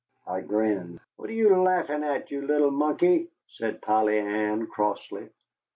I grinned. "What are you laughing at, you little monkey," said Polly Ann, crossly.